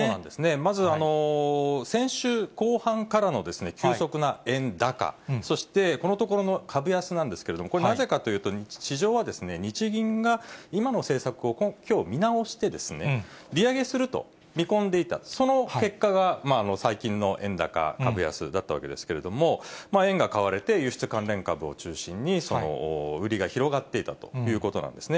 まず、先週後半からの急速な円高、そしてこのところの株安なんですけれども、これ、なぜかというと市場は日銀が今の政策をきょう見直して、利上げすると見込んでいた、その結果が、最近の円高、株安だったわけですけれども、円が買われて、輸出関連株を中心に、その売りが広がっていたということなんですね。